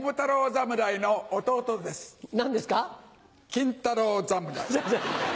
金太郎侍。